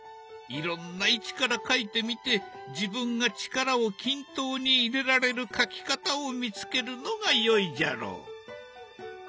いろんな位置から描いてみて自分が力を均等に入れられる描き方を見つけるのがよいじゃろう。